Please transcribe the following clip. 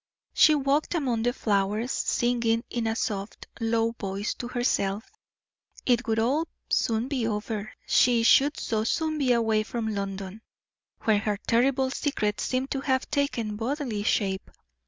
She walked among the flowers, singing in a soft, low voice to herself; it would all soon be over, she should so soon be away from London, where her terrible secret seemed to have taken bodily shape.